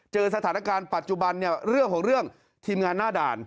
เจอสถานการณ์ปัจจุบันเนี่ยเรื่องของเรื่องทีมงานหน้าด่าน